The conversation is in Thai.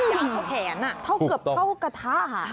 อื้อใหญ่จากแขนเกือบเท่ากระท่า